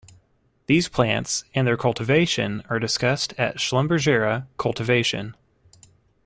These plants and their cultivation are discussed at "Schlumbergera:" Cultivation.